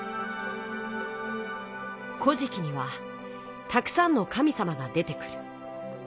「古事記」にはたくさんの神さまが出てくる。